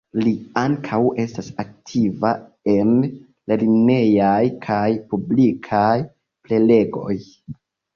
Li ankaŭ estas aktiva en lernejaj kaj publikaj prelegoj.